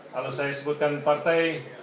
kalau saya sebutkan partai